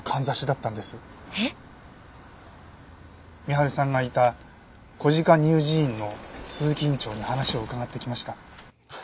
深春さんがいた小鹿乳児院の鈴木院長に話を伺ってきました。